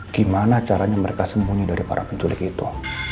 gimana caranya mereka sembunyi dari para penculik itu